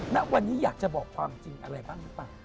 ณวันนี้อยากจะบอกความจริงอะไรบ้างหรือเปล่า